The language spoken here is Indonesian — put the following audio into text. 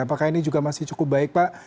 apakah ini juga masih cukup baik pak